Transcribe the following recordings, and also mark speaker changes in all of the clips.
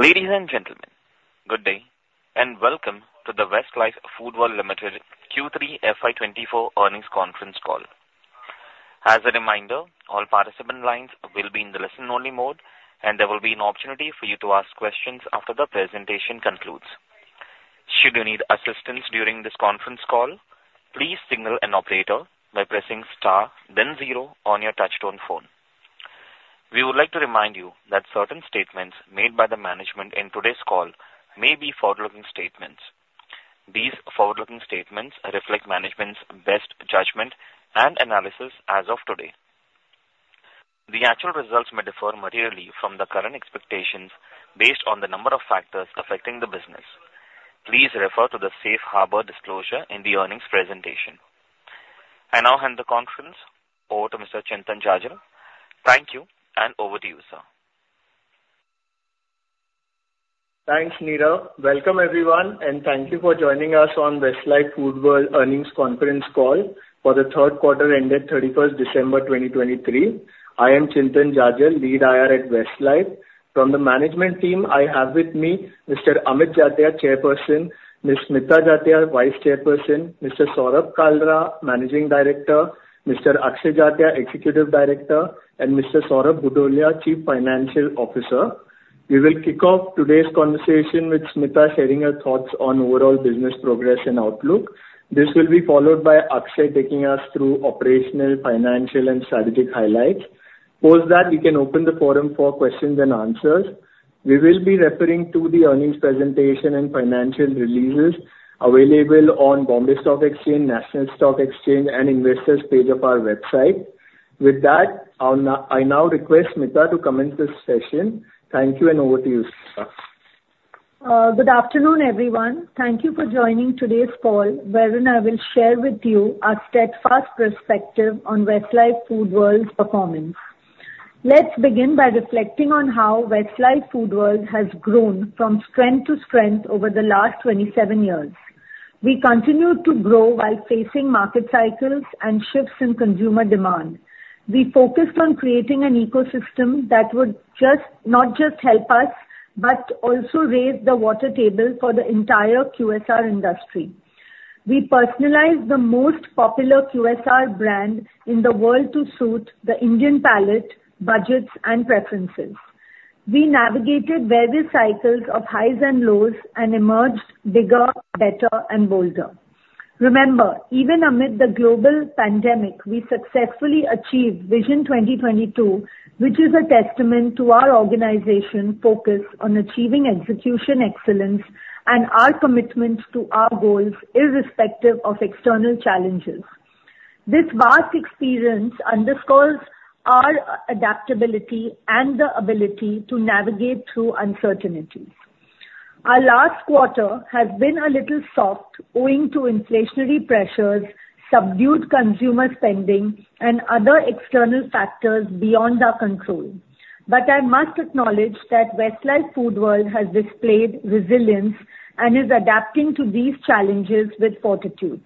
Speaker 1: Ladies and gentlemen, good day, and welcome to the Westlife Foodworld Limited Q3 FY 2024 Earnings conference call. As a reminder, all participant lines will be in the listen-only mode, and there will be an opportunity for you to ask questions after the presentation concludes. Should you need assistance during this conference call, please signal an operator by pressing Star, then Zero on your touchtone phone. We would like to remind you that certain statements made by the management in today's call may be forward-looking statements. These forward-looking statements reflect management's best judgment and analysis as of today. The actual results may differ materially from the current expectations based on the number of factors affecting the business. Please refer to the Safe Harbor disclosure in the earnings presentation. I now hand the conference over to Mr. Chintan Jajal. Thank you, and over to you, sir.
Speaker 2: Thanks, Neera. Welcome, everyone, and thank you for joining us on Westlife Foodworld Earnings Conference Call for the third quarter ended 31st December 2023. I am Chintan Jajal, Lead IR at Westlife. From the management team, I have with me Mr. Amit Jatia, Chairperson; Ms. Smita Jatia, Vice Chairperson; Mr. Saurabh Kalra, Managing Director; Mr. Akshay Jatia, Executive Director; and Mr. Saurabh Bhudolia, Chief Financial Officer. We will kick off today's conversation with Smita sharing her thoughts on overall business progress and outlook. This will be followed by Akshay taking us through operational, financial, and strategic highlights. Post that, we can open the forum for questions and answers. We will be referring to the earnings presentation and financial releases available on Bombay Stock Exchange, National Stock Exchange, and investors page of our website. With that, I'll now, I now request Smita to commence this session. Thank you, and over to you, Smita.
Speaker 3: Good afternoon, everyone. Thank you for joining today's call, wherein I will share with you our steadfast perspective on Westlife Foodworld's performance. Let's begin by reflecting on how Westlife Foodworld has grown from strength to strength over the last 27 years. We continued to grow while facing market cycles and shifts in consumer demand. We focused on creating an ecosystem that would just, not just help us, but also raise the water table for the entire QSR industry. We personalized the most popular QSR brand in the world to suit the Indian palate, budgets, and preferences. We navigated various cycles of highs and lows and emerged bigger, better and bolder. Remember, even amid the global pandemic, we successfully achieved Vision 2022, which is a testament to our organization's focus on achieving execution excellence, and our commitment to our goals irrespective of external challenges. This vast experience underscores our adaptability and the ability to navigate through uncertainties. Our last quarter has been a little soft owing to inflationary pressures, subdued consumer spending, and other external factors beyond our control. But I must acknowledge that Westlife Foodworld has displayed resilience and is adapting to these challenges with fortitude.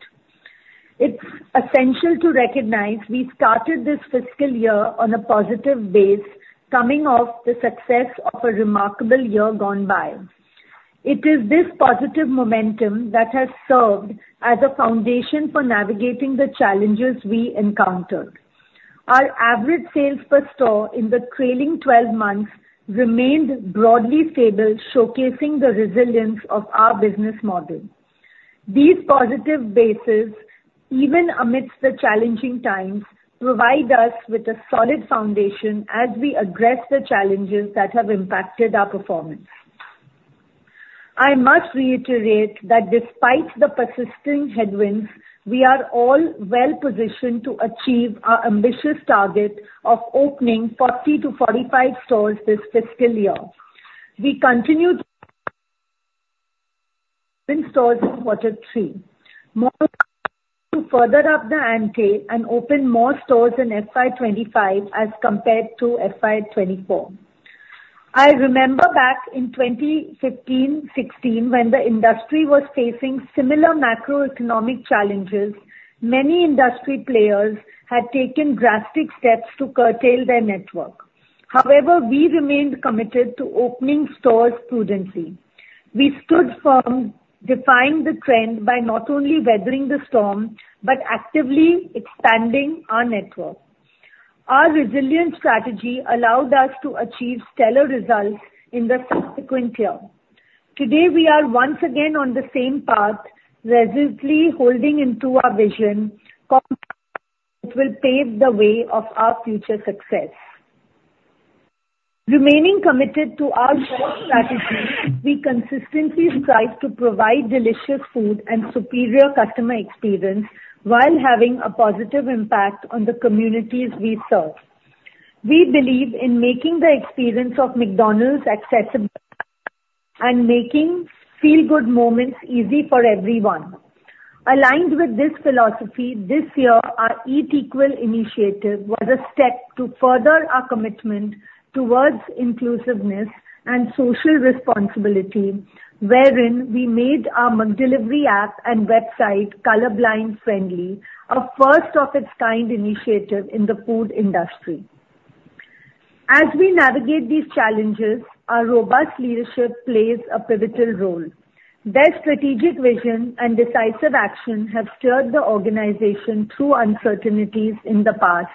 Speaker 3: It's essential to recognize we started this fiscal year on a positive base, coming off the success of a remarkable year gone by. It is this positive momentum that has served as a foundation for navigating the challenges we encountered. Our average sales per store in the trailing twelve months remained broadly stable, showcasing the resilience of our business model. These positive bases, even amidst the challenging times, provide us with a solid foundation as we address the challenges that have impacted our performance. I must reiterate that despite the persistent headwinds, we are all well positioned to achieve our ambitious target of opening 40-45 stores this fiscal year. We continued... stores in quarter three. More to further up the ante and open more stores in FY 2025 as compared to FY 2024. I remember back in 2015, 2016, when the industry was facing similar macroeconomic challenges, many industry players had taken drastic steps to curtail their network. However, we remained committed to opening stores prudently. We stood firm, defying the trend by not only weathering the storm, but actively expanding our network. Our resilient strategy allowed us to achieve stellar results in the subsequent year. Today, we are once again on the same path, resolutely holding into our vision, which will pave the way of our future success. Remaining committed to our strategy, we consistently strive to provide delicious food and superior customer experience while having a positive impact on the communities we serve. We believe in making the experience of McDonald's accessible and making feel-good moments easy for everyone. Aligned with this philosophy, this year, our EatQual initiative was a step to further our commitment towards inclusiveness and social responsibility, wherein we made our McDelivery app and website colorblind friendly, a first of its kind initiative in the food industry. As we navigate these challenges, our robust leadership plays a pivotal role. Their strategic vision and decisive action have steered the organization through uncertainties in the past,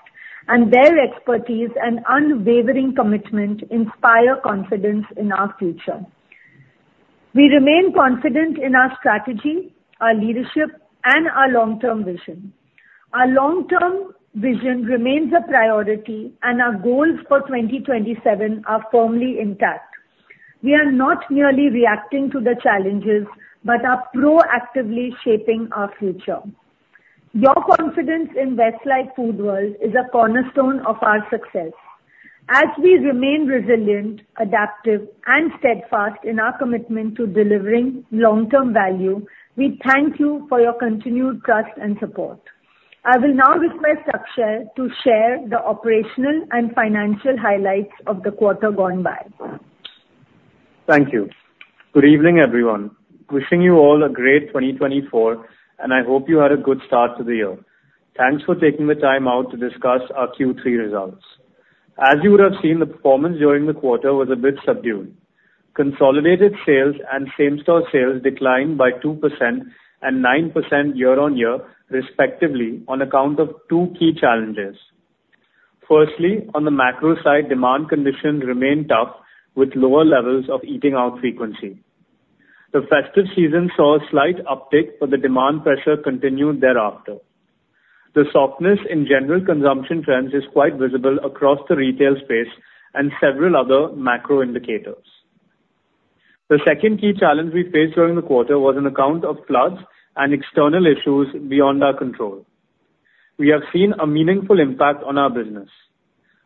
Speaker 3: and their expertise and unwavering commitment inspire confidence in our future. We remain confident in our strategy, our leadership, and our long-term vision. Our long-term vision remains a priority, and our goals for 2027 are firmly intact. We are not merely reacting to the challenges, but are proactively shaping our future. Your confidence in Westlife Foodworld is a cornerstone of our success. As we remain resilient, adaptive, and steadfast in our commitment to delivering long-term value, we thank you for your continued trust and support. I will now request Akshay to share the operational and financial highlights of the quarter gone by.
Speaker 4: Thank you. Good evening, everyone. Wishing you all a great 2024, and I hope you had a good start to the year. Thanks for taking the time out to discuss our Q3 results. As you would have seen, the performance during the quarter was a bit subdued. Consolidated sales and same-store sales declined by 2% and 9% year-on-year, respectively, on account of two key challenges. Firstly, on the macro side, demand conditions remained tough, with lower levels of eating out frequency. The festive season saw a slight uptick, but the demand pressure continued thereafter. The softness in general consumption trends is quite visible across the retail space and several other macro indicators. The second key challenge we faced during the quarter was on account of floods and external issues beyond our control. We have seen a meaningful impact on our business.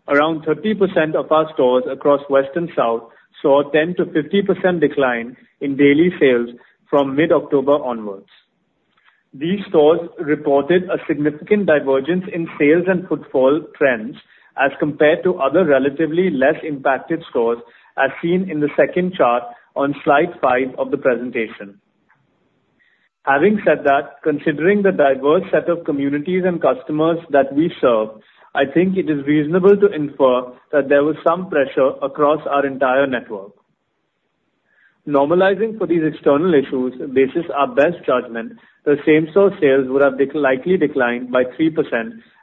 Speaker 4: Around 30% of our stores across West and South saw a 10%-50% decline in daily sales from mid-October onwards. These stores reported a significant divergence in sales and footfall trends as compared to other relatively less impacted stores, as seen in the second chart on slide five of the presentation. Having said that, considering the diverse set of communities and customers that we serve, I think it is reasonable to infer that there was some pressure across our entire network. Normalizing for these external issues, basis our best judgment, the same-store sales would have likely declined by 3%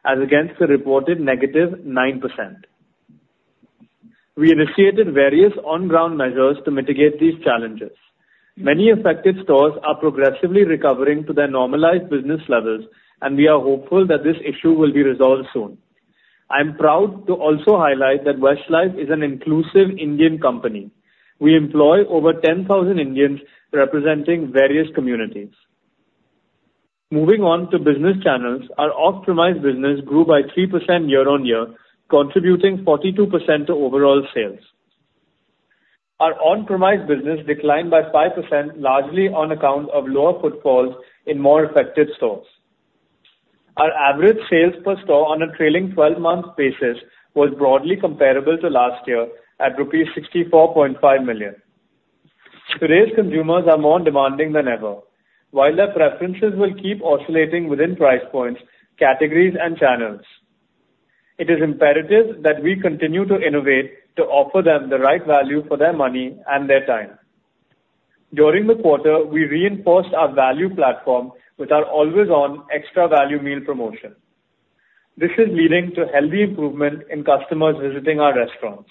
Speaker 4: as against the reported -9%. We initiated various on-ground measures to mitigate these challenges. Many affected stores are progressively recovering to their normalized business levels, and we are hopeful that this issue will be resolved soon. I am proud to also highlight that Westlife is an inclusive Indian company. We employ over 10,000 Indians representing various communities. Moving on to business channels, our off-premise business grew by 3% year-on-year, contributing 42% to overall sales. Our on-premise business declined by 5%, largely on account of lower footfalls in more affected stores. Our average sales per store on a trailing 12-month basis was broadly comparable to last year at rupees 64.5 million. Today's consumers are more demanding than ever. While their preferences will keep oscillating within price points, categories, and channels, it is imperative that we continue to innovate to offer them the right value for their money and their time. During the quarter, we reinforced our value platform with our always-on Extra Value Meal promotion. This is leading to healthy improvement in customers visiting our restaurants.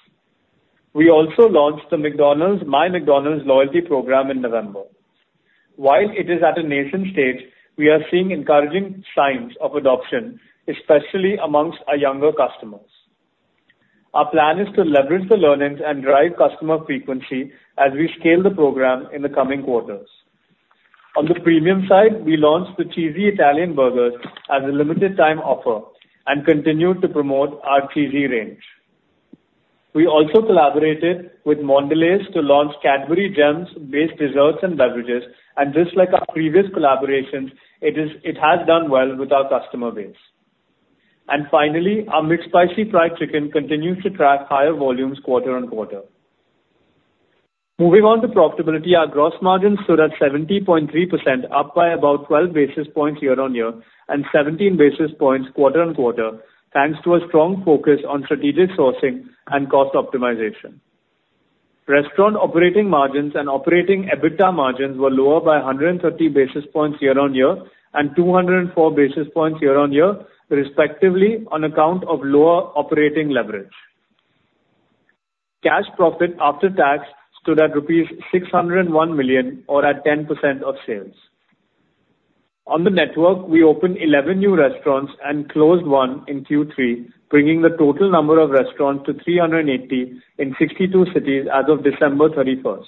Speaker 4: We also launched the McDonald's MyMcDonald's loyalty program in November. While it is at a nascent stage, we are seeing encouraging signs of adoption, especially among our younger customers. Our plan is to leverage the learnings and drive customer frequency as we scale the program in the coming quarters. On the premium side, we launched the Cheesy Italian Burgers as a limited time offer and continued to promote our cheesy range. We also collaborated with Mondelēz to launch Cadbury Gems-based desserts and beverages, and just like our previous collaborations, it has done well with our customer base. And finally, our McSpicy Fried Chicken continues to track higher volumes quarter-on-quarter. Moving on to profitability, our gross margins stood at 70.3%, up by about 12 basis points year-on-year and 17 basis points quarter-on-quarter, thanks to a strong focus on strategic sourcing and cost optimization. Restaurant operating margins and operating EBITDA margins were lower by 130 basis points year-on-year and 204 basis points year-on-year, respectively, on account of lower operating leverage. Cash profit after tax stood at rupees 601 million or at 10% of sales. On the network, we opened 11 new restaurants and closed 1 in Q3, bringing the total number of restaurants to 380 in 62 cities as of December 31st.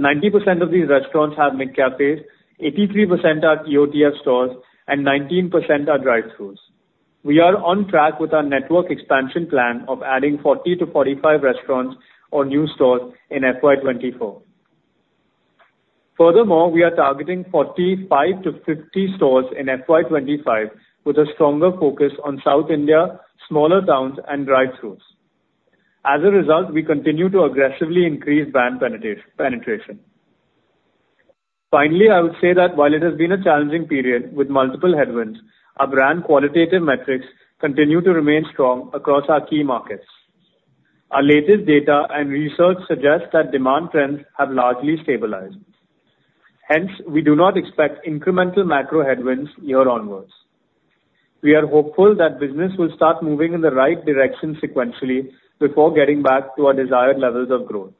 Speaker 4: 90% of these restaurants have McCafés, 83% are EOTF stores, and 19% are drive-throughs. We are on track with our network expansion plan of adding 40-45 restaurants or new stores in FY 2024. Furthermore, we are targeting 45-50 stores in FY 2025, with a stronger focus on South India, smaller towns, and drive-throughs. As a result, we continue to aggressively increase brand penetration. Finally, I would say that while it has been a challenging period with multiple headwinds, our brand qualitative metrics continue to remain strong across our key markets. Our latest data and research suggests that demand trends have largely stabilized. Hence, we do not expect incremental macro headwinds year onwards. We are hopeful that business will start moving in the right direction sequentially before getting back to our desired levels of growth.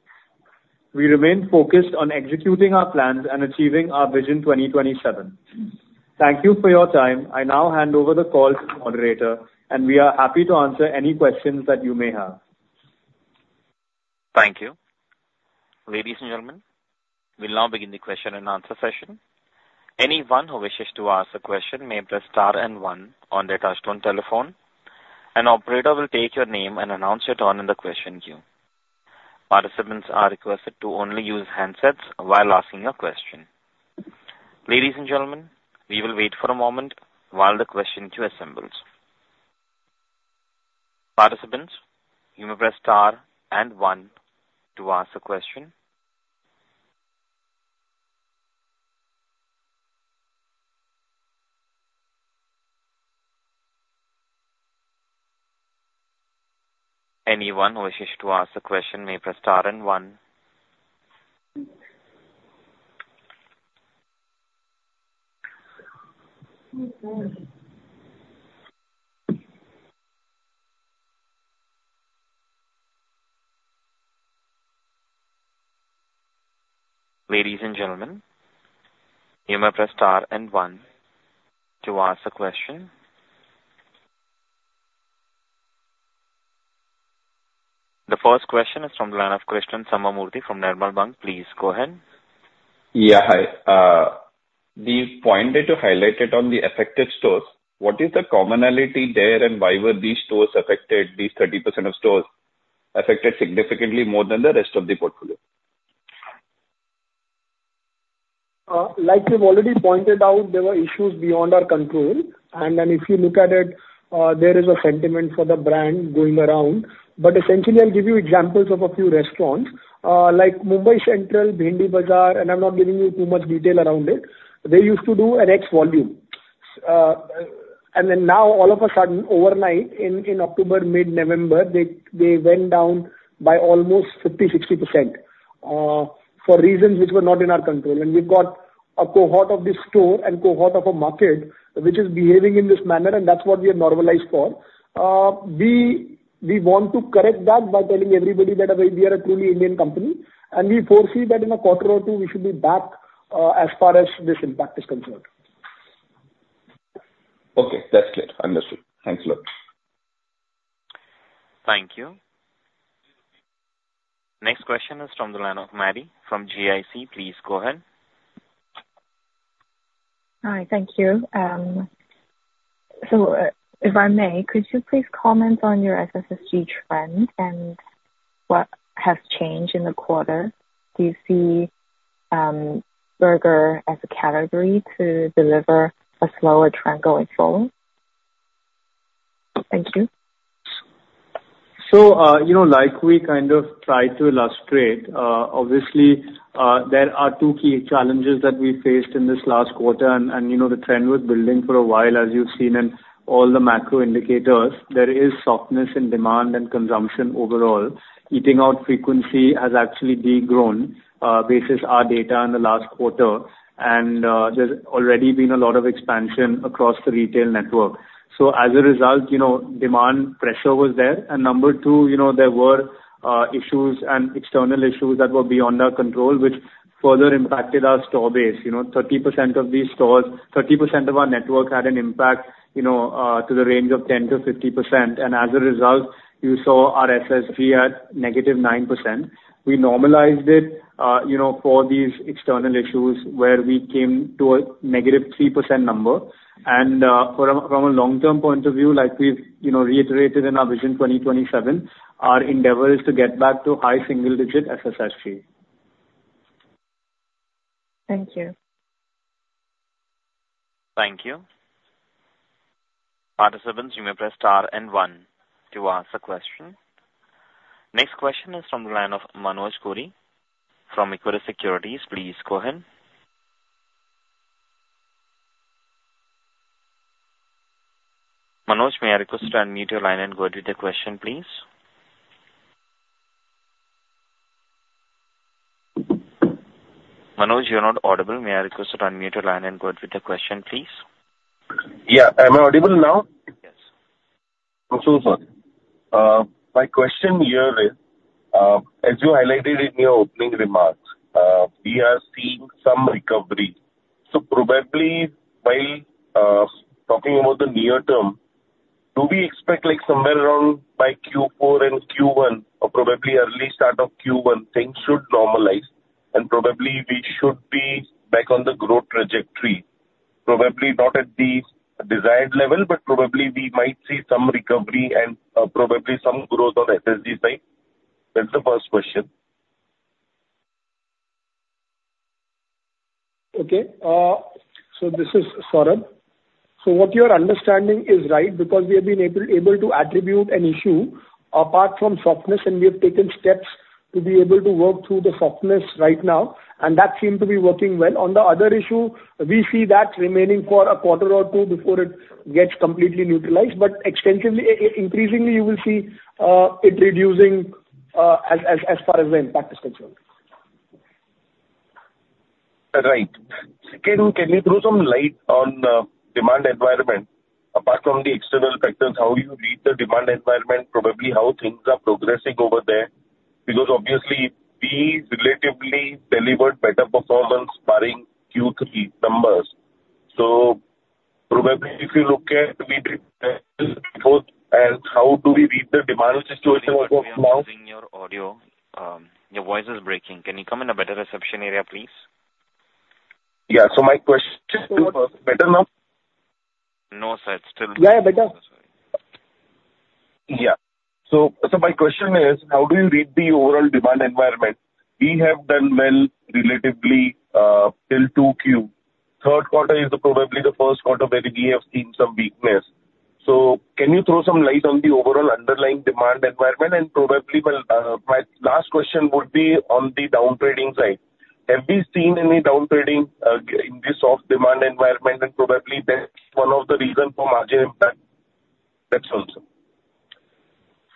Speaker 4: We remain focused on executing our plans and achieving our Vision 2027. Thank you for your time. I now hand over the call to the moderator, and we are happy to answer any questions that you may have.
Speaker 1: Thank you. Ladies and gentlemen, we'll now begin the question and answer session. Anyone who wishes to ask a question may press star and one on their touchtone telephone. An operator will take your name and announce it on in the question queue. Participants are requested to only use handsets while asking a question. Ladies and gentlemen, we will wait for a moment while the question queue assembles. Participants, you may press star and one to ask a question. Anyone who wishes to ask a question may press star and one. Ladies and gentlemen, you may press star and one to ask a question. The first question is from the line of Krishnan Sambamoorthy from Nirmal Bang. Please go ahead.
Speaker 5: Yeah. Hi, the point that you highlighted on the affected stores, what is the commonality there? And why were these stores affected, these 30% of stores affected significantly more than the rest of the portfolio?
Speaker 6: Like we've already pointed out, there were issues beyond our control. And then if you look at it, there is a sentiment for the brand going around. But essentially, I'll give you examples of a few restaurants, like Mumbai Central, Bhendi Bazaar, and I'm not giving you too much detail around it. They used to do an X volume. And then now all of a sudden, overnight, in October, mid-November, they went down by almost 50%-60%, for reasons which were not in our control. And we've got a cohort of this store and cohort of a market which is behaving in this manner, and that's what we have normalized for. We want to correct that by telling everybody that we are a truly Indian company, and we foresee that in a quarter or two, we should be back as far as this impact is concerned.
Speaker 5: Okay, that's clear. Understood. Thanks a lot.
Speaker 1: Thank you. Next question is from the line of Maddy from GIC. Please go ahead.
Speaker 7: Hi, thank you. So, if I may, could you please comment on your SSSG trend and what has changed in the quarter? Do you see burger as a category to deliver a slower trend going forward? Thank you.
Speaker 4: So, you know, like we kind of tried to illustrate, obviously, there are two key challenges that we faced in this last quarter. And, you know, the trend was building for a while, as you've seen in all the macro indicators. There is softness in demand and consumption overall. Eating out frequency has actually de-grown, basis our data in the last quarter, and, there's already been a lot of expansion across the retail network. So as a result, you know, demand pressure was there. And number two, you know, there were, issues and external issues that were beyond our control, which further impacted our store base. You know, 30% of these stores, 30% of our network had an impact, you know, to the range of 10%-50%. As a result, you saw our SSSG at negative 9%. We normalized it, you know, for these external issues, where we came to a -3% number. From a long-term point of view, like we've, you know, reiterated in our Vision 2027, our endeavor is to get back to high single-digit SSSG.
Speaker 7: Thank you.
Speaker 1: Thank you. Participants, you may press star and one to ask a question. Next question is from the line of Manoj Gori from Equirus Securities. Please go ahead. Manoj, may I request you unmute your line and go ahead with the question, please? Manoj, you're not audible. May I request you to unmute your line and go ahead with the question, please?
Speaker 8: Yeah. Am I audible now?
Speaker 1: Yes.
Speaker 8: So sorry. My question here is, as you highlighted in your opening remarks, we are seeing some recovery. So probably while talking about the near term, do we expect, like somewhere around by Q4 and Q1 or probably early start of Q1, things should normalize and probably we should be back on the growth trajectory? Probably not at the desired level, but probably we might see some recovery and probably some growth on SSSG side. That's the first question.
Speaker 6: Okay. So this is Saurabh. ... So what you're understanding is right, because we have been able to attribute an issue apart from softness, and we have taken steps to be able to work through the softness right now, and that seemed to be working well. On the other issue, we see that remaining for a quarter or two before it gets completely neutralized, but extensively, increasingly, you will see it reducing, as far as the impact is concerned.
Speaker 8: Right. Second, can you throw some light on the demand environment, apart from the external factors, how you read the demand environment, probably how things are progressing over there? Because obviously, we relatively delivered better performance barring Q3 numbers. So probably, if you look at the growth and how do we read the demand situation as of now?
Speaker 1: We are losing your audio. Your voice is breaking. Can you come in a better reception area, please?
Speaker 8: Yeah. So my question, better now?
Speaker 1: No, sir, it's still-
Speaker 6: Yeah, better.
Speaker 8: Yeah. So my question is: How do you read the overall demand environment? We have done well, relatively, till 2Q. Third quarter is probably the first quarter where we have seen some weakness. So can you throw some light on the overall underlying demand environment? And probably, well, my last question would be on the down trading side. Have you seen any down trading in this soft demand environment? And probably that's one of the reason for margin impact. That's also.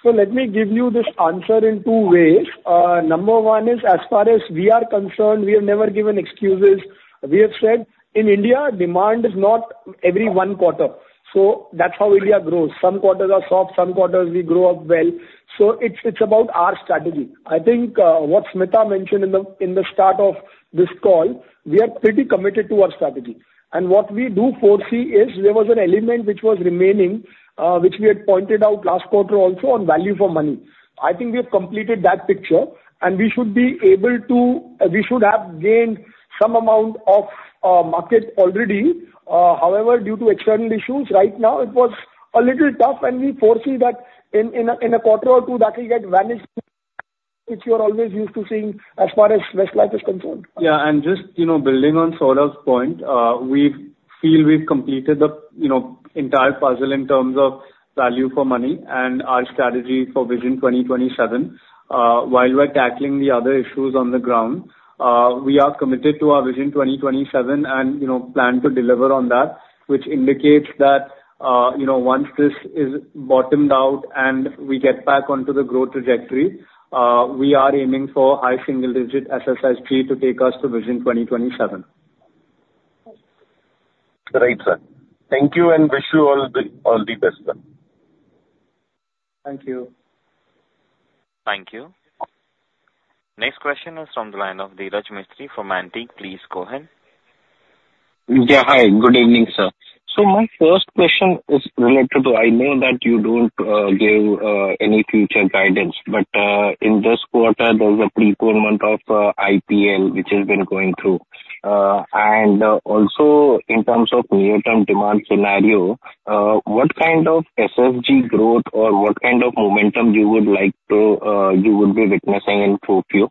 Speaker 6: So let me give you this answer in two ways. Number one is, as far as we are concerned, we have never given excuses. We have said, in India, demand is not every one quarter, so that's how India grows. Some quarters are soft, some quarters we grow up well. So it's, it's about our strategy. I think, what Smita mentioned in the, in the start of this call, we are pretty committed to our strategy. And what we do foresee is there was an element which was remaining, which we had pointed out last quarter also on value for money. I think we have completed that picture, and we should be able to... We should have gained some amount of, market already. However, due to external issues right now, it was a little tough, and we foresee that in a quarter or two, that will get vanished, which you're always used to seeing as far as Westlife is concerned.
Speaker 4: Yeah, and just, you know, building on Saurabh's point, we feel we've completed the, you know, entire puzzle in terms of value for money and our strategy for Vision 2027. While we're tackling the other issues on the ground, we are committed to our Vision 2027 and, you know, plan to deliver on that, which indicates that, you know, once this is bottomed out and we get back onto the growth trajectory, we are aiming for high single-digit SSSG to take us to Vision 2027.
Speaker 8: Right, sir. Thank you and wish you all the, all the best, sir.
Speaker 4: Thank you.
Speaker 1: Thank you. Next question is from the line of Dhiraj Mistry from Antique. Please go ahead.
Speaker 9: Yeah, hi, good evening, sir. So my first question is related to. I know that you don't give any future guidance, but in this quarter, there was a pre-tournament of IPL, which has been going through. And also in terms of near-term demand scenario, what kind of SSSG growth or what kind of momentum you would like to you would be witnessing in 4Q?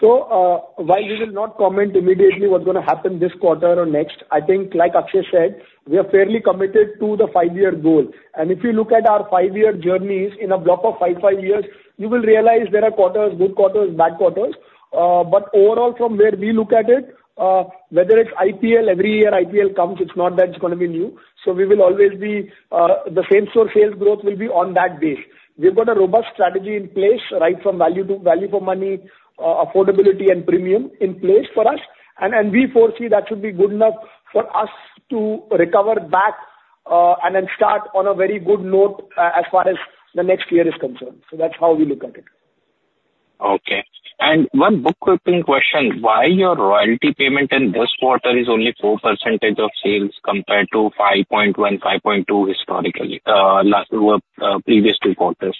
Speaker 6: So, while we will not comment immediately what's going to happen this quarter or next, I think like Akshay said, we are fairly committed to the five-year goal. And if you look at our five-year journeys in a block of five, five years, you will realize there are quarters, good quarters, bad quarters. But overall, from where we look at it, whether it's IPL, every year IPL comes, it's not that it's going to be new. So we will always be, the same-store sales growth will be on that base. We've got a robust strategy in place, right, from value to value for money, affordability and premium in place for us. And we foresee that should be good enough for us to recover back, and then start on a very good note, as far as the next year is concerned. That's how we look at it.
Speaker 9: Okay. And one bookkeeping question: Why your royalty payment in this quarter is only 4% of sales compared to 5.1, 5.2 historically, last, previous two quarters?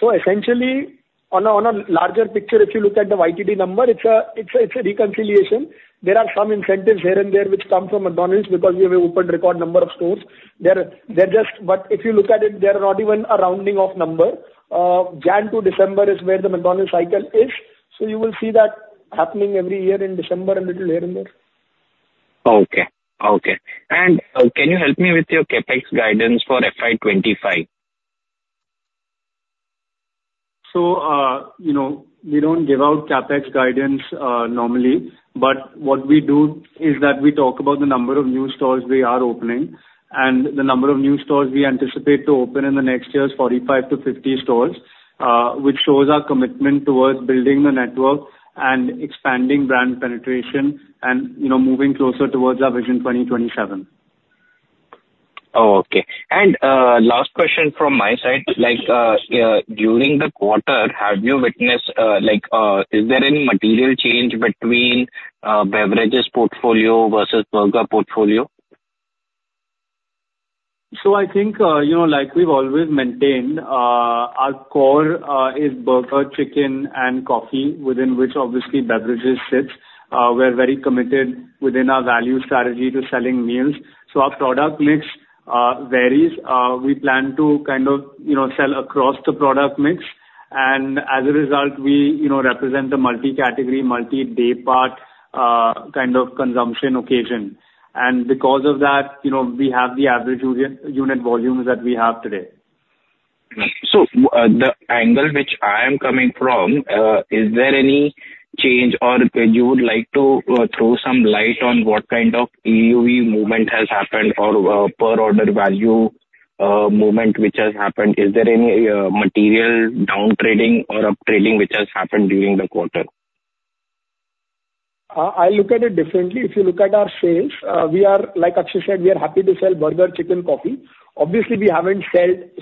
Speaker 6: So essentially, on a larger picture, if you look at the YTD number, it's a reconciliation. There are some incentives here and there, which come from McDonald's because we have an open record number of stores. They're just... But if you look at it, they are not even a rounding-off number. January to December is where the McDonald's cycle is, so you will see that happening every year in December, a little here and there.
Speaker 9: Okay, okay. And, can you help me with your CapEx guidance for FY 2025?
Speaker 4: So, you know, we don't give out CapEx guidance normally, but what we do is that we talk about the number of new stores we are opening, and the number of new stores we anticipate to open in the next year is 45-50 stores, which shows our commitment towards building the network and expanding brand penetration and, you know, moving closer towards our Vision 2027.
Speaker 9: Oh, okay. Last question from my side. Like, during the quarter, have you witnessed, like, is there any material change between beverages portfolio versus burger portfolio?
Speaker 4: So I think, you know, like we've always maintained, our core is burger, chicken, and coffee, within which obviously beverages sits. We're very committed within our value strategy to selling meals. Our product mix varies. We plan to kind of, you know, sell across the product mix... And as a result, we, you know, represent the multi-category, multi-day part kind of consumption occasion. And because of that, you know, we have the average unit volumes that we have today.
Speaker 9: The angle which I am coming from is there any change or you would like to throw some light on what kind of AUV movement has happened or per order value movement which has happened? Is there any material downtrading or up trading which has happened during the quarter?
Speaker 6: I look at it differently. If you look at our sales, we are, like Akshay said, happy to sell burger, chicken, coffee. Obviously, we haven't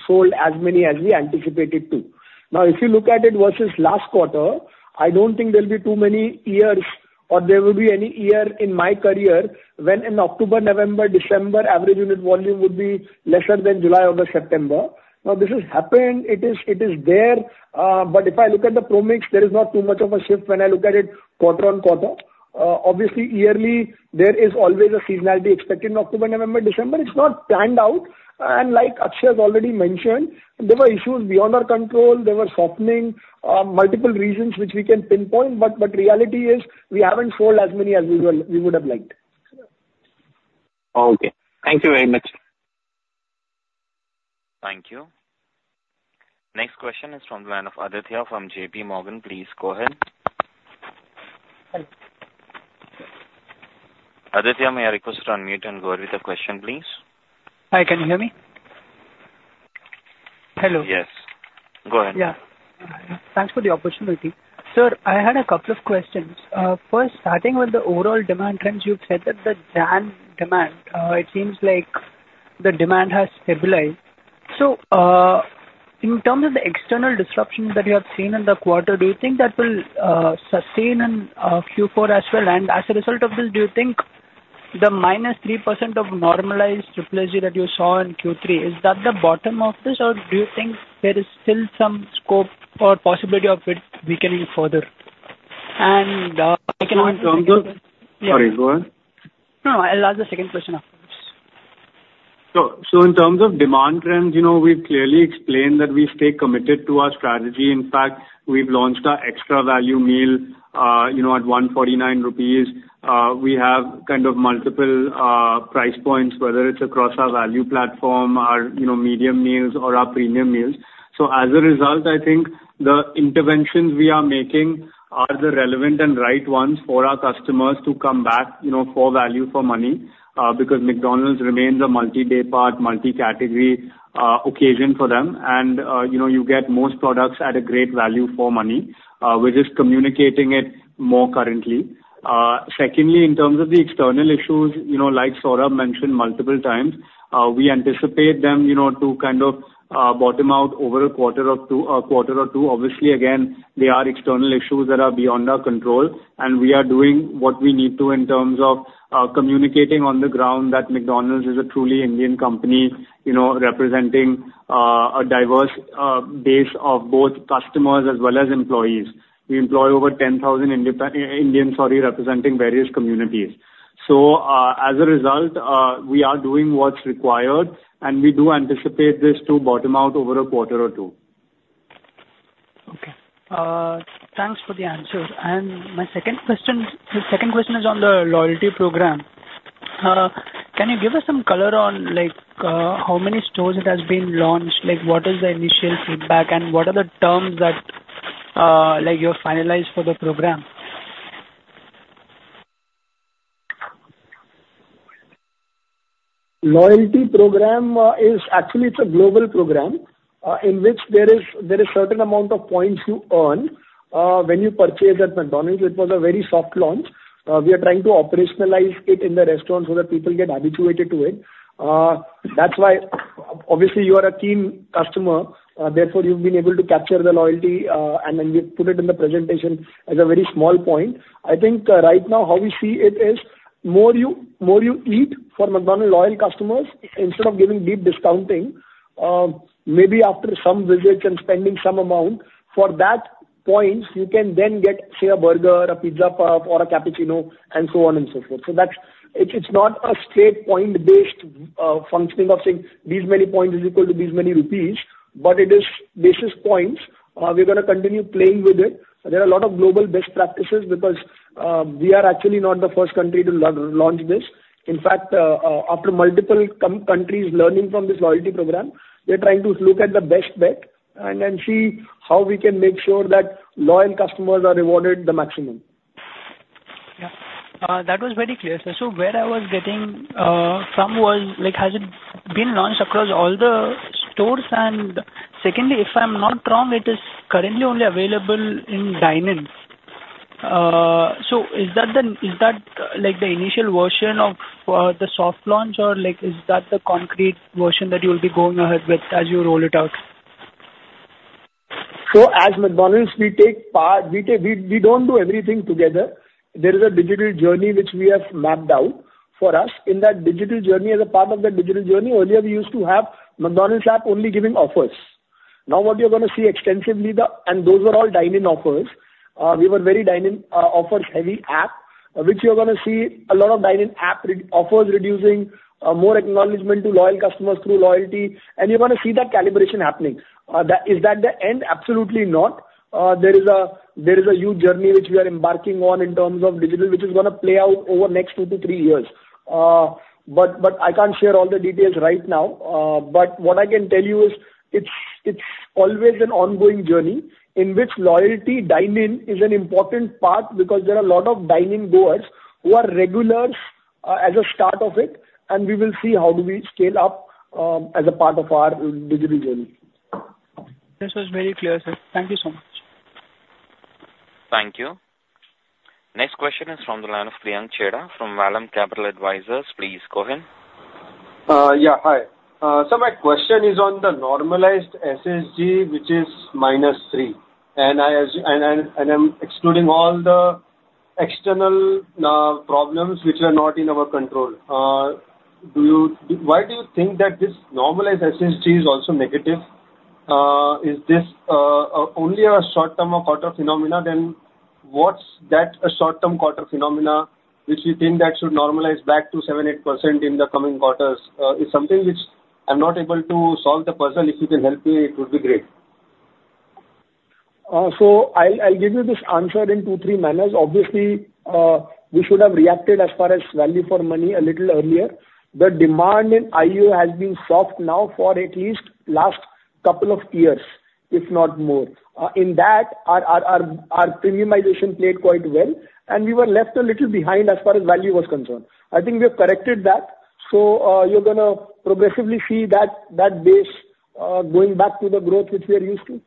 Speaker 6: sold as many as we anticipated to. Now, if you look at it versus last quarter, I don't think there'll be too many years or there will be any year in my career when in October, November, December, average unit volume would be lesser than July or the September. Now, this has happened, it is, it is there, but if I look at the product mix, there is not too much of a shift when I look at it quarter-on-quarter. Obviously, yearly, there is always a seasonality expected in October, November, December. It's not planned out, and like Akshay has already mentioned, there were issues beyond our control. There were softening, multiple reasons which we can pinpoint, but reality is, we haven't sold as many as we will, we would have liked.
Speaker 9: Okay. Thank you very much.
Speaker 1: Thank you. Next question is from the line of Aditya from JPMorgan. Please go ahead. Aditya, may I request you to unmute and go with the question, please.
Speaker 10: Hi, can you hear me? Hello.
Speaker 1: Yes. Go ahead.
Speaker 10: Yeah. Thanks for the opportunity. Sir, I had a couple of questions. First, starting with the overall demand trends, you said that the January demand, it seems like the demand has stabilized. So, in terms of the external disruptions that you have seen in the quarter, do you think that will sustain in Q4 as well? And as a result of this, do you think the -3% of normalized SSSG that you saw in Q3, is that the bottom of this, or do you think there is still some scope or possibility of it weakening further? And, I can-
Speaker 4: Sorry, go ahead.
Speaker 10: No, I'll ask the second question afterwards.
Speaker 4: So, in terms of demand trends, you know, we've clearly explained that we stay committed to our strategy. In fact, we've launched our Extra Value Meal, you know, at 149 rupees. We have kind of multiple price points, whether it's across our value platform or, you know, medium meals or our premium meals. So as a result, I think the interventions we are making are the relevant and right ones for our customers to come back, you know, for value for money, because McDonald's remains a multi-day part, multi-category occasion for them. And, you know, you get most products at a great value for money. We're just communicating it more currently. Secondly, in terms of the external issues, you know, like Saurabh mentioned multiple times, we anticipate them, you know, to kind of bottom out over a quarter or two, a quarter or two. Obviously, again, they are external issues that are beyond our control, and we are doing what we need to in terms of communicating on the ground that McDonald's is a truly Indian company, you know, representing a diverse base of both customers as well as employees. We employ over 10,000 Indians, sorry, representing various communities. So, as a result, we are doing what's required, and we do anticipate this to bottom out over a quarter or two.
Speaker 10: Okay. Thanks for the answers. My second question, the second question is on the loyalty program. Can you give us some color on, like, how many stores it has been launched? Like, what is the initial feedback and what are the terms that, like, you have finalized for the program?
Speaker 6: Loyalty program is actually, it's a global program, in which there is, there is certain amount of points you earn, when you purchase at McDonald's. It was a very soft launch. We are trying to operationalize it in the restaurant so that people get habituated to it. That's why obviously, you are a keen customer, therefore, you've been able to capture the loyalty, and then we put it in the presentation as a very small point. I think, right now, how we see it is more you, more you eat from McDonald's, loyal customers, instead of giving deep discounting, maybe after some visits and spending some amount, for that points, you can then get, say, a burger, a pizza puff, or a cappuccino, and so on and so forth. So that's... It's not a straight point-based functioning of saying these many points is equal to these many rupees, but it is basis points. We're gonna continue playing with it. There are a lot of global best practices because we are actually not the first country to launch this. In fact, after multiple countries learning from this loyalty program, we are trying to look at the best bet and then see how we can make sure that loyal customers are rewarded the maximum.
Speaker 10: Yeah. That was very clear, sir. So where I was getting from was, like, has it been launched across all the stores? And secondly, if I'm not wrong, it is currently only availabe in dine-ins. So is that the, is that, like, the initial version of the soft launch, or like, is that the concrete version that you'll be going ahead with as you roll it out?
Speaker 6: So as McDonald's, we take part, we don't do everything together. There is a digital journey which we have mapped out for us. In that digital journey, as a part of that digital journey, earlier we used to have McDonald's app only giving offers. Now what you're gonna see extensively the. And those were all dine-in offers. We were very dine-in offers heavy app, which you're gonna see a lot of dine-in app reoffers reducing, more acknowledgement to loyal customers through loyalty, and you're gonna see that calibration happening. That? Is that the end? Absolutely not. There is a huge journey which we are embarking on in terms of digital, which is gonna play out over the next two to three years. But I can't share all the details right now, but what I can tell you is, it's always an ongoing journey in which loyalty dine-in is an important part because there are a lot of dine-in goers who are regulars, as a start of it, and we will see how do we scale up, as a part of our digital journey.
Speaker 10: This was very clear, sir. Thank you so much.
Speaker 1: Thank you. Next question is from the line of Priyank Chheda from Vallum Capital Advisors. Please go ahead.
Speaker 11: Yeah, hi. So my question is on the normalized SSSG, which is -3%, and I'm excluding all the external problems which are not in our control. Do you... Why do you think that this normalized SSSG is also negative? Is this only a short-term or quarter phenomena, then what's that short-term quarter phenomena, which you think that should normalize back to 7%-8% in the coming quarters? It's something which I'm not able to solve the puzzle. If you can help me, it would be great.
Speaker 6: So I'll give you this answer in two, three manners. Obviously, we should have reacted as far as value for money a little earlier. The demand in [IEO] has been soft now for at least last couple of years, if not more. In that, our premiumization played quite well, and we were left a little behind as far as value was concerned. I think we have corrected that, so you're gonna progressively see that base going back to the growth which we are used to.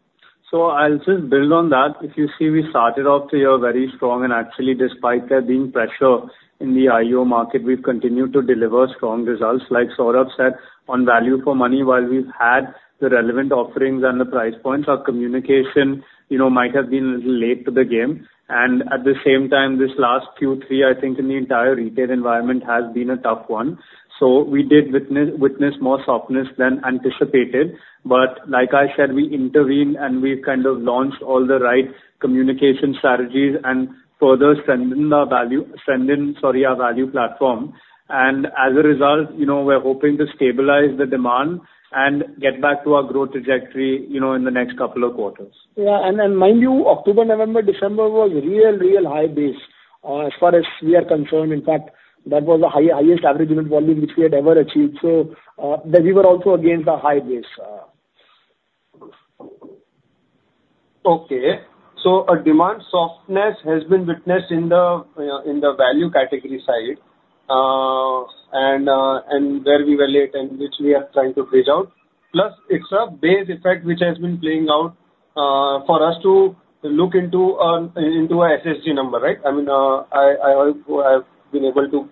Speaker 4: So I'll just build on that. If you see, we started off the year very strong, and actually, despite there being pressure in the IEO market, we've continued to deliver strong results, like Saurabh said, on value for money. While we've had the relevant offerings and the price points, our communication, you know, might have been a little late to the game. And at the same time, this last Q3, I think, in the entire retail environment has been a tough one. So we did witness more softness than anticipated, but like I said, we intervened, and we kind of launched all the right communication strategies and further strengthened our value platform. And as a result, you know, we're hoping to stabilize the demand and get back to our growth trajectory, you know, in the next couple of quarters.
Speaker 6: Yeah, and, and mind you, October, November, December was real, real high base, as far as we are concerned. In fact, that was the high- highest average unit volume which we had ever achieved, so, that we were also against a high base.
Speaker 11: Okay. So a demand softness has been witnessed in the value category side, and where we were late and which we are trying to bridge out. Plus, it's a base effect which has been playing out for us to look into our SSSG number, right? I mean, I also have been able to...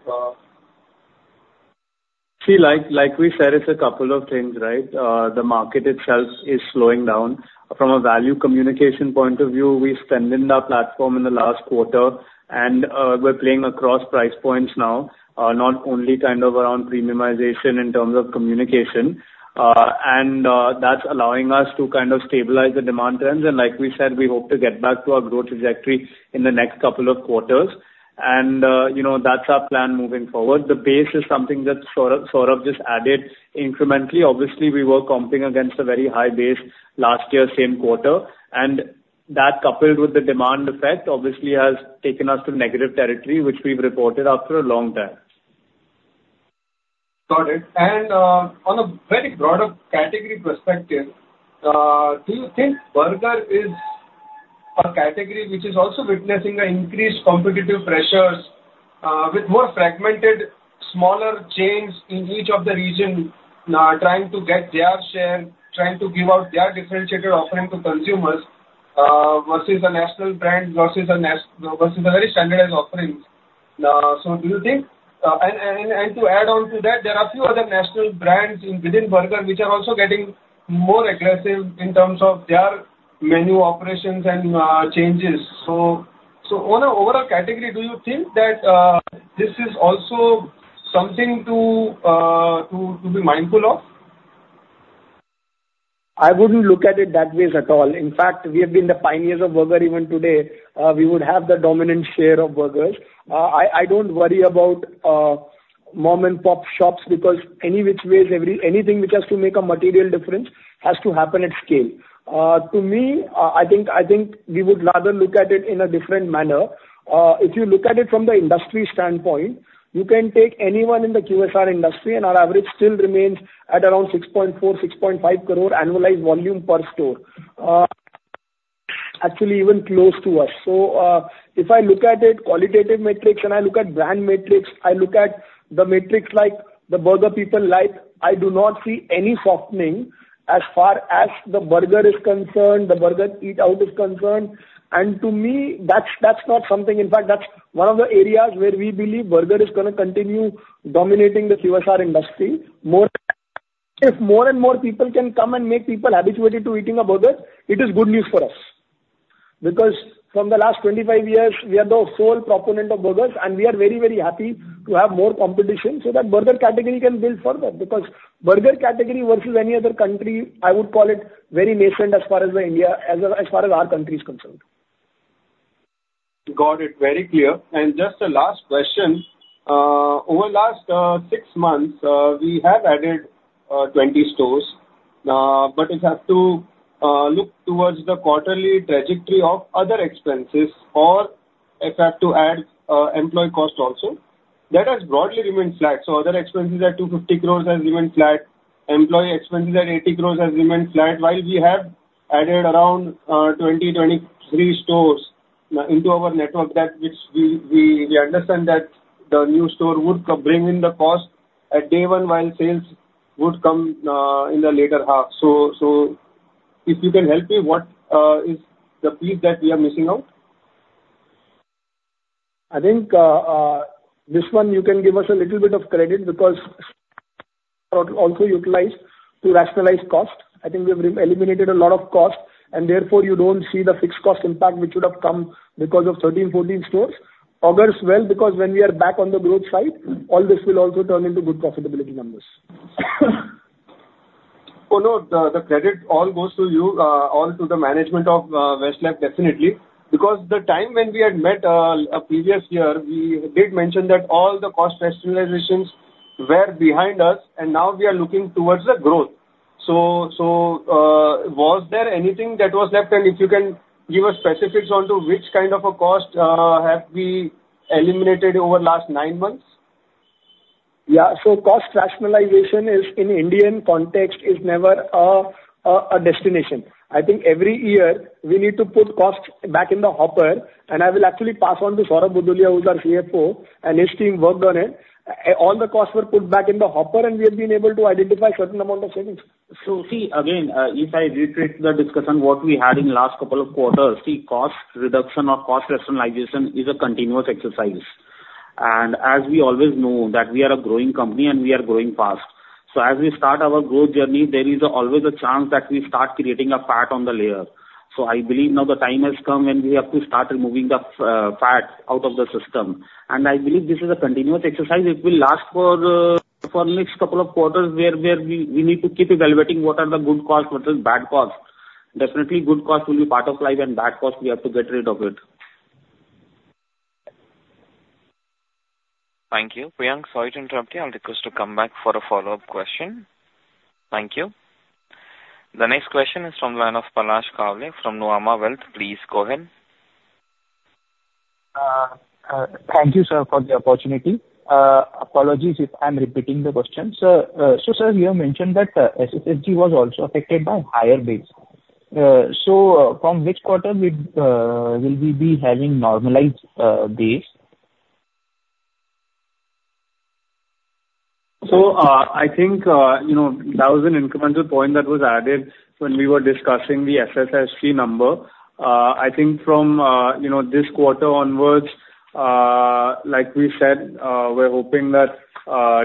Speaker 4: See, like we said, it's a couple of things, right? The market itself is slowing down. From a value communication point of view, we've strengthened our platform in the last quarter, and we're playing across price points now, not only kind of around premiumization in terms of communication, and that's allowing us to kind of stabilize the demand trends. And like we said, we hope to get back to our growth trajectory in the next couple of quarters. And you know, that's our plan moving forward. The base is something that Saurabh just added incrementally. Obviously, we were comping against a very high base last year, same quarter, and that, coupled with the demand effect, obviously has taken us to negative territory, which we've reported after a long time.
Speaker 11: Got it. And on a very broader category perspective, do you think burger is a category which is also witnessing an increased competitive pressures, with more fragmented, smaller chains in each of the region, trying to get their share, trying to give out their differentiated offering to consumers, versus a national brand, versus a very standardized offerings? So do you think... And to add on to that, there are a few other national brands within burger, which are also getting more aggressive in terms of their menu operations and changes. So on a overall category, do you think that this is also something to be mindful of?
Speaker 6: I wouldn't look at it that way at all. In fact, we have been the pioneers of burger even today. We would have the dominant share of burgers. I don't worry about mom-and-pop shops, because any which ways, anything which has to make a material difference, has to happen at scale. To me, I think we would rather look at it in a different manner. If you look at it from the industry standpoint, you can take anyone in the QSR industry, and our average still remains at around 6.4 crore-6.5 crore annualized volume per store. Actually, even close to us. So, if I look at it, qualitative metrics, and I look at the brand metrics, I look at the metrics like the burger people like, I do not see any softening as far as the burger is concerned, the burger eat out is concerned. And to me, that's, that's not something... In fact, that's one of the areas where we believe burger is gonna continue dominating the QSR industry. If more and more people can come and make people habituated to eating a burger, it is good news for us. Because from the last 25 years, we are the sole proponent of burgers, and we are very, very happy to have more competition so that burger category can build further, because burger category versus any other country, I would call it very nascent as far as the India, as far as our country is concerned....
Speaker 11: Got it very clear. Just a last question. Over the last six months, we have added 20 stores. But if you have to look towards the quarterly trajectory of other expenses, or if you have to add employee cost also, that has broadly remained flat. So other expenses are 250 crore has remained flat, employee expenses at 80 crore has remained flat, while we have added around 23 stores into our network. That which we understand that the new store would bring in the cost at day one, while sales would come in the later half. So if you can help me, what is the piece that we are missing out?
Speaker 6: I think, this one, you can give us a little bit of credit, because also utilized to rationalize cost. I think we've re-eliminated a lot of cost, and therefore, you don't see the fixed cost impact which would have come because of 13, 14 stores. August, well, because when we are back on the growth side, all this will also turn into good profitability numbers.
Speaker 11: Oh, no, the credit all goes to you, all to the management of Westlife, definitely. Because the time when we had met previous year, we did mention that all the cost rationalizations were behind us, and now we are looking towards the growth. So, was there anything that was left? And if you can give us specifics on to which kind of a cost have we eliminated over the last nine months?
Speaker 6: Yeah. So cost rationalization is, in Indian context, never a destination. I think every year we need to put costs back in the hopper, and I will actually pass on to Saurabh Bhudolia, who is our CFO, and his team worked on it. All the costs were put back in the hopper, and we have been able to identify certain amount of savings.
Speaker 12: So see, again, if I repeat the discussion, what we had in last couple of quarters, the cost reduction or cost rationalization is a continuous exercise. And as we always know, that we are a growing company, and we are growing fast. So as we start our growth journey, there is always a chance that we start creating a fat on the layer. So I believe now the time has come and we have to start removing the fat out of the system. And I believe this is a continuous exercise. It will last for for next couple of quarters, where we need to keep evaluating what are the good costs, what is bad costs. Definitely, good costs will be part of life, and bad costs, we have to get rid of it.
Speaker 1: Thank you. Priyank, sorry to interrupt you. I'll request you to come back for a follow-up question. Thank you. The next question is from the line of Palash Kawale, from Nuvama Wealth. Please go ahead.
Speaker 13: Thank you, sir, for the opportunity. Apologies if I'm repeating the question. So, sir, you have mentioned that SSSG was also affected by higher base. So, from which quarter we will we be having normalized base?
Speaker 6: So, I think, you know, that was an incremental point that was added when we were discussing the SSSG number. I think from, you know, this quarter onwards, like we said, we're hoping that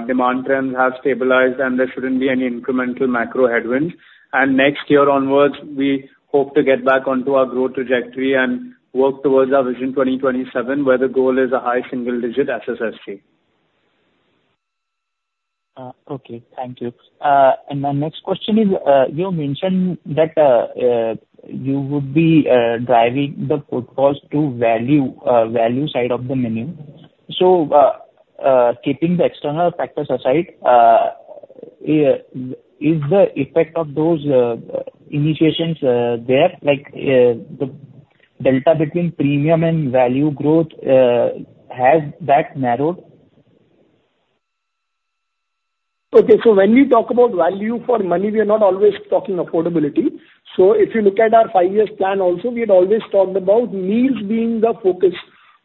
Speaker 6: demand trends have stabilized, and there shouldn't be any incremental macro headwinds. And next year onwards, we hope to get back onto our growth trajectory and work towards our Vision 2027, where the goal is a high single-digit SSSG.
Speaker 13: Okay. Thank you. My next question is, you mentioned that you would be driving the food cost to value, value side of the menu. Keeping the external factors aside, is the effect of those initiatives there, like, the delta between premium and value growth, has that narrowed?
Speaker 6: Okay. So when we talk about value for money, we are not always talking affordability. So if you look at our five years plan also, we had always talked about meals being the focus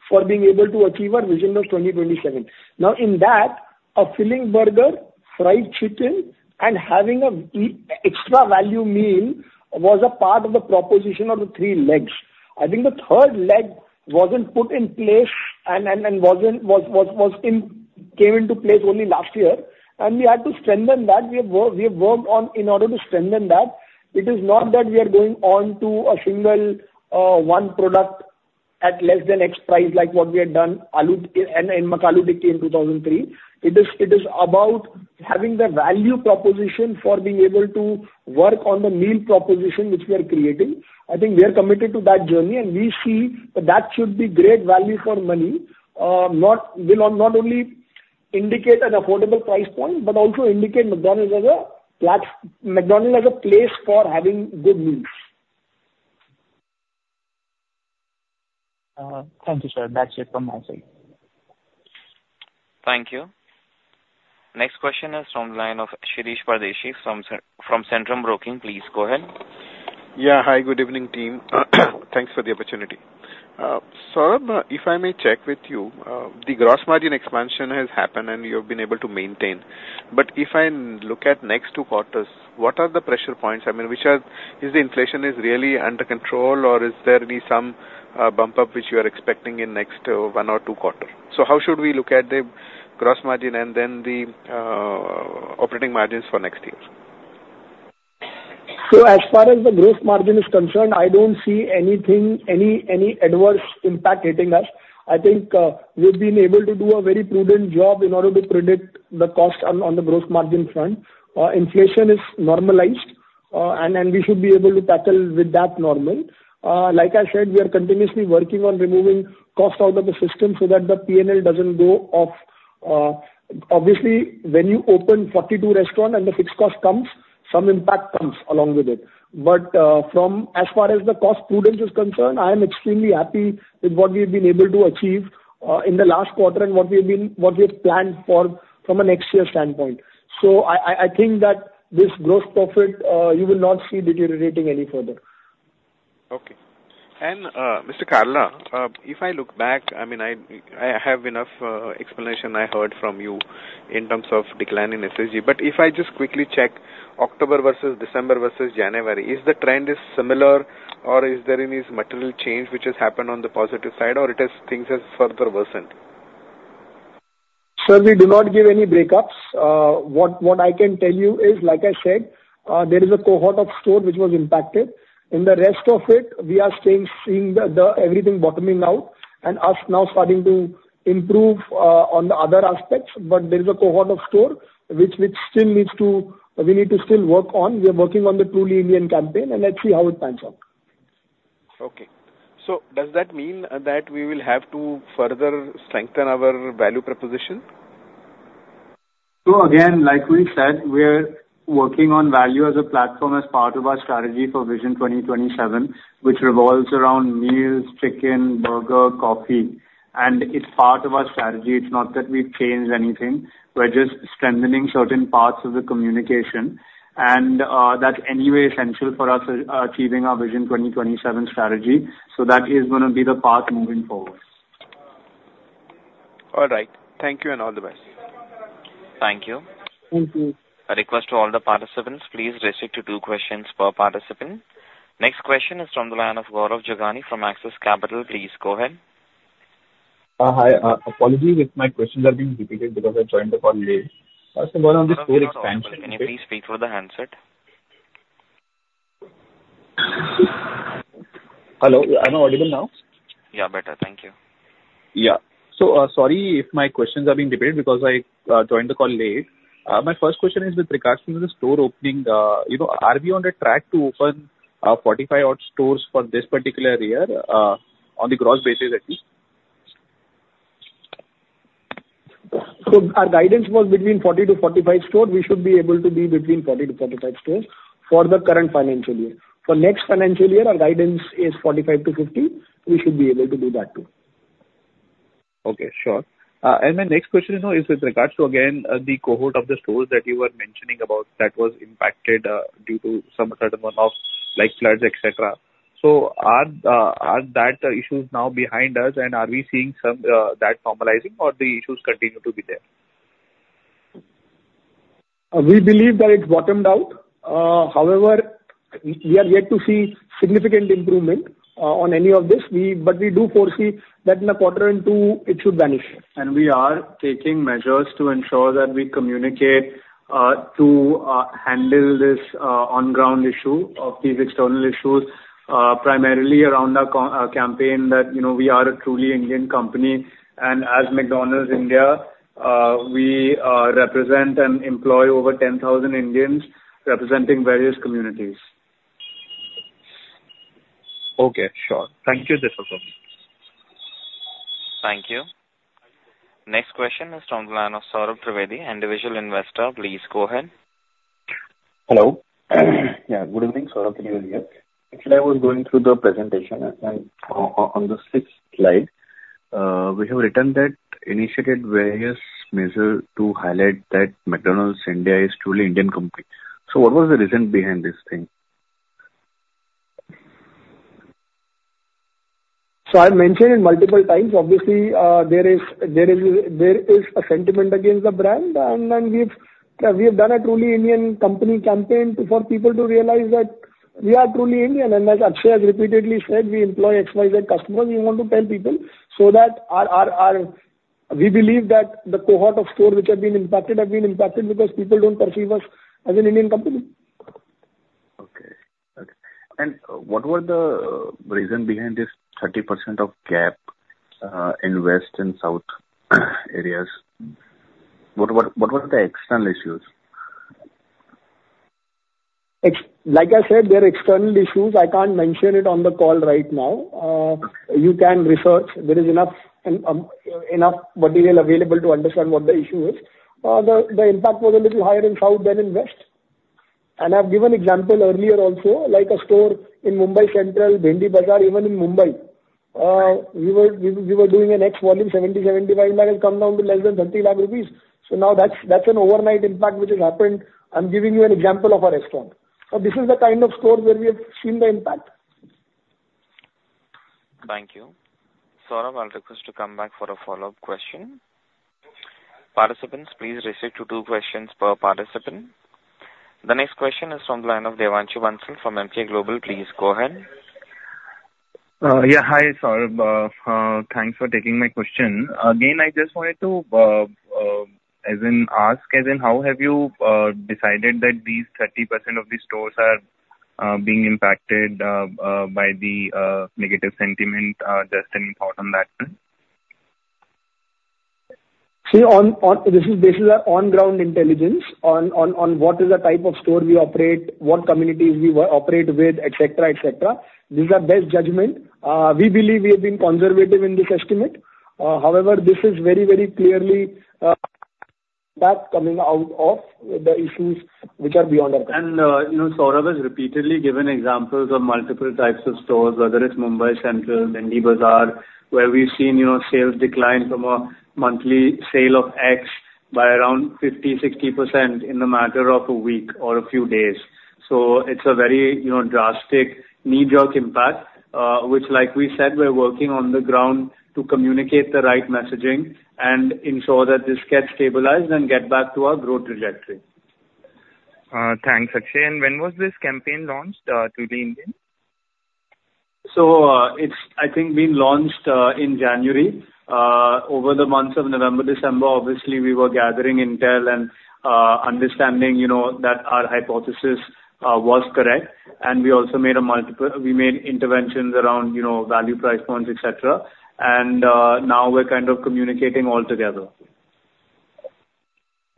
Speaker 6: for being able to achieve our Vision of 2027. Now, in that, a filling burger, fried chicken, and having an extra value meal was a part of the proposition of the three legs. I think the third leg wasn't put in place and came into place only last year, and we had to strengthen that. We have worked on in order to strengthen that. It is not that we are going on to a single, one product at less than X price, like what we had done, [Aloo] and McAloo Tikki in 2003. It is, it is about having the value proposition for being able to work on the meal proposition which we are creating. I think we are committed to that journey, and we see that should be great value for money, not only indicate an affordable price point, but also indicate McDonald's as a place for having good meals.
Speaker 13: Thank you, sir. That's it from my side.
Speaker 1: Thank you. Next question is from the line of Shirish Pardeshi from Centrum Broking. Please go ahead.
Speaker 14: Yeah. Hi, good evening, team. Thanks for the opportunity. Saurabh, if I may check with you, the gross margin expansion has happened, and you've been able to maintain. But if I look at next two quarters, what are the pressure points? I mean, which are... Is the inflation is really under control, or is there any, some, bump up which you are expecting in next one or two quarter? So how should we look at the gross margin and then the, operating margins for next year?
Speaker 6: So as far as the gross margin is concerned, I don't see anything, any adverse impact hitting us. I think, we've been able to do a very prudent job in order to predict the cost on, on the gross margin front. Inflation is normalized, and we should be able to tackle with that normal. Like I said, we are continuously working on removing cost out of the system so that the PNL doesn't go off. Obviously, when you open 42 restaurant and the fixed cost comes, some impact comes along with it. But, from as far as the cost prudence is concerned, I am extremely happy with what we've been able to achieve, in the last quarter and what we've planned for from a next year standpoint. I think that this gross profit, you will not see deteriorating any further.
Speaker 14: Okay. And, Mr. Kalra, if I look back, I mean, I have enough explanation I heard from you in terms of decline in SSSG. But if I just quickly check October versus December versus January, is the trend similar or is there any material change which has happened on the positive side or it has things further worsened?
Speaker 6: Sir, we do not give any breakups. What I can tell you is, like I said, there is a cohort of store which was impacted. In the rest of it, we are seeing everything bottoming out and us now starting to improve on the other aspects. But there is a cohort of store which still needs to... We need to still work on. We are working on the Truly Indian campaign, and let's see how it pans out.
Speaker 14: Okay. So does that mean that we will have to further strengthen our value proposition?
Speaker 4: So again, like we said, we are working on value as a platform, as part of our strategy for Vision 2027, which revolves around meals, chicken, burger, coffee. And that's anyway essential for us achieving our Vision 2027 strategy. So that is gonna be the path moving forward.
Speaker 14: All right. Thank you and all the best.
Speaker 1: Thank you.
Speaker 6: Thank you.
Speaker 1: A request to all the participants, please restrict to two questions per participant. Next question is from the line of Gaurav Jogani from Axis Capital. Please go ahead.
Speaker 15: Hi. Apologies if my questions are being repeated because I joined the call late. First of all, on the store expansion-
Speaker 1: Gaurav, can you please speak through the handset?
Speaker 15: Hello, am I audible now?
Speaker 1: Yeah, better. Thank you.
Speaker 15: Yeah. So, sorry if my questions are being repeated because I joined the call late. My first question is with regards to the store opening. You know, are we on the track to open 45 odd stores for this particular year on the gross basis at least?
Speaker 6: Our guidance was between 40-45 stores. We should be able to be between 40-45 stores for the current financial year. For next financial year, our guidance is 45-50. We should be able to do that, too.
Speaker 15: Okay, sure. My next question is, you know, with regards to, again, the cohort of the stores that you were mentioning about that was impacted due to some certain amount of like floods, et cetera. So are those issues now behind us, and are we seeing some that normalizing or the issues continue to be there?
Speaker 6: We believe that it's bottomed out. However, we are yet to see significant improvement on any of this. But we do foresee that in a quarter or two it should vanish.
Speaker 4: We are taking measures to ensure that we communicate to handle this on-ground issue of these external issues, primarily around our campaign that, you know, we are a truly Indian company, and as McDonald's India, we represent and employ over 10,000 Indians, representing various communities.
Speaker 15: Okay, sure. Thank you. That's all for me.
Speaker 1: Thank you. Next question is from the line of Saurabh Trivedi, individual investor. Please go ahead.
Speaker 16: Hello. Yeah, good evening, Saurabh Trivedi here. Actually, I was going through the presentation, and on the sixth slide, we have written that initiated various measures to highlight that McDonald's India is truly Indian company. So what was the reason behind this thing?
Speaker 6: So I've mentioned it multiple times. Obviously, there is a sentiment against the brand, and we've done a Truly Indian company campaign to, for people to realize that we are truly Indian. And as Akshay has repeatedly said, we employ [XYZ customers. We want to tell people so that our... We believe that the cohort of store which have been impacted because people don't perceive us as an Indian company.
Speaker 16: Okay. Okay. What were the reason behind this 30% gap in west and south areas? What were the external issues?
Speaker 6: Like I said, there are external issues. I can't mention it on the call right now. You can research. There is enough material available to understand what the issue is. The impact was a little higher in South than in West. I've given example earlier also, like a store in Mumbai Central, Bhendi Bazaar, even in Mumbai, we were doing an X volume, 70 lakh, 75 lakh has come down to less than 30 lakh rupees. So now that's an overnight impact which has happened. I'm giving you an example of our restaurant. So this is the kind of store where we have seen the impact.
Speaker 1: Thank you. Saurabh, I'll request to come back for a follow-up question. Participants, please restrict to two questions per participant. The next question is from the line of Devanshu Bansal from Emkay Global. Please go ahead.
Speaker 17: Yeah. Hi, Saurabh. Thanks for taking my question. Again, I just wanted to ask how have you decided that these 30% of the stores are being impacted by the negative sentiment just in bottom line?...
Speaker 6: See, this is an on-ground intelligence on what is the type of store we operate, what communities we operate with, etc., etc. These are best judgment. We believe we have been conservative in this estimate. However, this is very, very clearly that coming out of the issues which are beyond our control.
Speaker 4: You know, Saurabh has repeatedly given examples of multiple types of stores, whether it's Mumbai Central, Bhendi Bazaar, where we've seen, you know, sales decline from a monthly sale of X by around 50%, 60% in the matter of a week or a few days. So it's a very, you know, drastic knee-jerk impact, which, like we said, we're working on the ground to communicate the right messaging and ensure that this gets stabilized and get back to our growth trajectory.
Speaker 17: Thanks, Akshay. When was this campaign launched Truly Indian?
Speaker 4: So, it's, I think, being launched in January. Over the months of November, December, obviously, we were gathering intel and understanding, you know, that our hypothesis was correct, and we also made a multiple - we made interventions around, you know, value price points, et cetera. And now we're kind of communicating all together.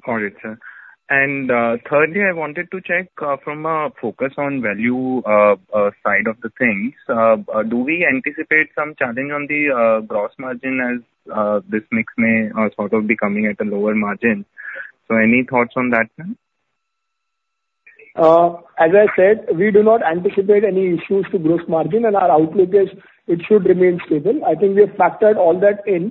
Speaker 17: All right, sir. And, thirdly, I wanted to check, from a focus on value, side of the things, do we anticipate some challenge on the, gross margin as, this mix may, sort of be coming at a lower margin? So any thoughts on that, ma'am?
Speaker 6: As I said, we do not anticipate any issues to gross margin, and our outlook is it should remain stable. I think we have factored all that in.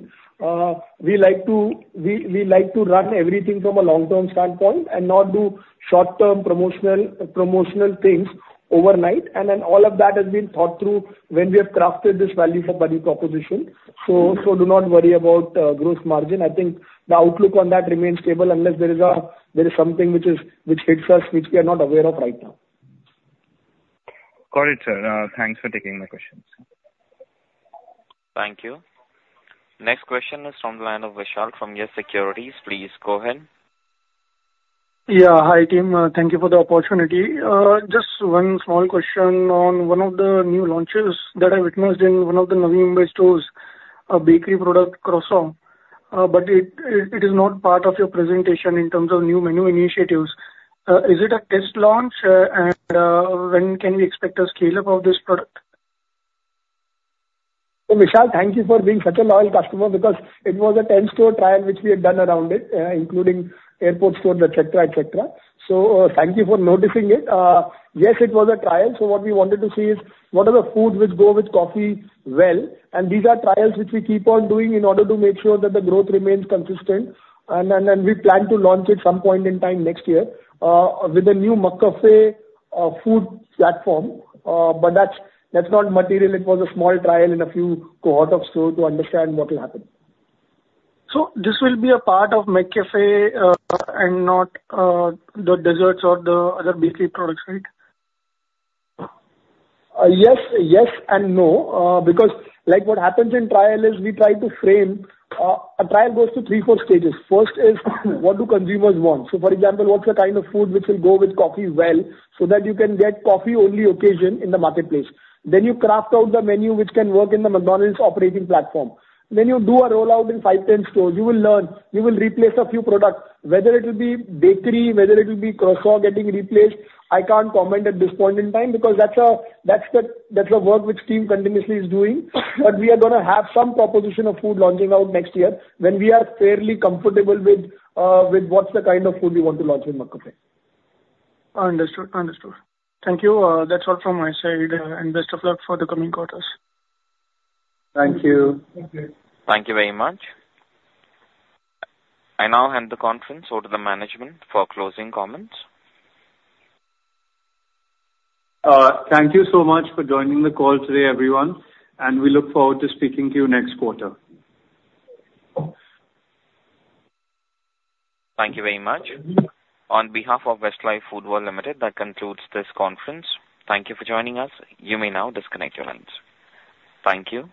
Speaker 6: We like to run everything from a long-term standpoint and not do short-term promotional things overnight. And then all of that has been thought through when we have crafted this value for money proposition. So do not worry about gross margin. I think the outlook on that remains stable unless there is something which hits us, which we are not aware of right now.
Speaker 17: Got it, sir. Thanks for taking my questions.
Speaker 1: Thank you. Next question is from the line of Vishal from YES SECURITIES Please go ahead.
Speaker 18: Yeah. Hi, team. Thank you for the opportunity. Just one small question on one of the new launches that I witnessed in one of the Navi Mumbai stores, a bakery product, croissant. But it is not part of your presentation in terms of new menu initiatives. Is it a test launch? And when can we expect a scale-up of this product?
Speaker 6: So, Vishal, thank you for being such a loyal customer because it was a 10-store trial which we had done around it, including airport stores, et cetera, et cetera. So, thank you for noticing it. Yes, it was a trial, so what we wanted to see is, what are the foods which go with coffee well? And these are trials which we keep on doing in order to make sure that the growth remains consistent. And, and, and we plan to launch at some point in time next year, with a new McCafé, food platform. But that's, that's not material. It was a small trial in a few cohort of store to understand what will happen.
Speaker 18: So this will be a part of McCafé, and not the desserts or the other bakery products, right?
Speaker 6: Yes, yes and no. Because, like, what happens in trial is we try to frame. A trial goes to three, four stages. First is, what do consumers want? So, for example, what's the kind of food which will go with coffee well, so that you can get coffee-only occasion in the marketplace. Then you craft out the menu, which can work in the McDonald's operating platform. Then you do a rollout in five, 10 stores. You will learn. You will replace a few products, whether it'll be bakery, whether it'll be croissant getting replaced, I can't comment at this point in time because that's a, that's the, that's the work which team continuously is doing. But we are gonna have some proposition of food launching out next year when we are fairly comfortable with, with what's the kind of food we want to launch in McCafé.
Speaker 18: Understood. Understood. Thank you. That's all from my side, and best of luck for the coming quarters.
Speaker 4: Thank you.
Speaker 18: Thank you.
Speaker 1: Thank you very much. I now hand the conference over to the management for closing comments.
Speaker 4: Thank you so much for joining the call today, everyone, and we look forward to speaking to you next quarter.
Speaker 1: Thank you very much. On behalf of Westlife Foodworld Limited, that concludes this conference. Thank you for joining us. You may now disconnect your lines. Thank you.